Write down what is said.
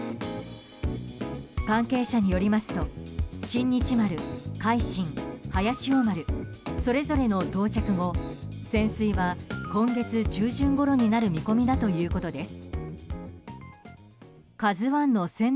関係者によりますと「新日丸」「海進」、「早潮丸」それぞれの到着後潜水は今月中旬以降になる見込みだということです。